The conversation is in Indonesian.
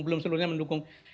belum seluruhnya mendukung